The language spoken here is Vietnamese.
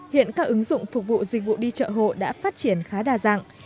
hiện các ứng dụng phục vụ dịch vụ đi chợ hộ đã phát triển khá đa dạng